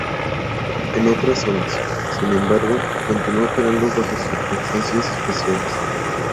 En otras zonas, sin embargo, continuó operando bajo circunstancias especiales.